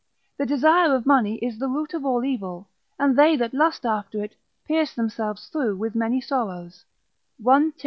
The desire of money is the root of all evil, and they that lust after it, pierce themselves through with many sorrows, 1 Tim.